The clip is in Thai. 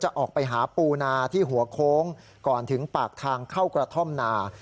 ออกไปหาปูนาที่หัวโค้งก่อนถึงปากทางเข้ากระท่อมนา